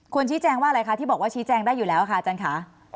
ชี้แจงว่าอะไรคะที่บอกว่าชี้แจงได้อยู่แล้วค่ะอาจารย์ค่ะ